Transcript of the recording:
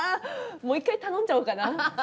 もう一回頼んじゃおうかな？